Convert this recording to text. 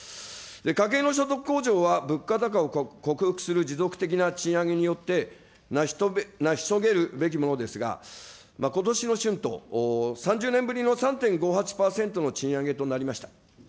家計の所得向上は、物価高を克服する持続的な賃上げによって成し遂げるべきものですが、ことしの春闘、３０年ぶりの３．５８％の賃上げとなりました。